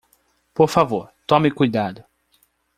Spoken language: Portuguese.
Por favor tome cuidado!